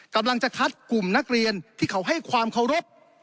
กำลังจะคัดกลุ่มนักเรียนที่เขาให้ความเคารพ